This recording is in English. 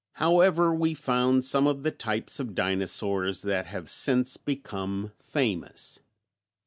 However, we found some of the types of dinosaurs that have since become famous.